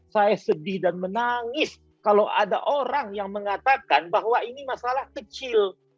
saya sedih dan menangis kalau ada orang yang mengatakan bahwa ini masalah kecil